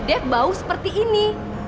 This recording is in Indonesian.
dev bau seperti ini